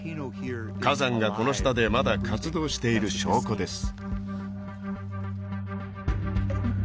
火山がこの下でまだ活動している証拠です